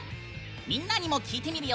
みんなにも聞いてみるよ。